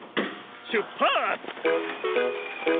しゅっぱつ！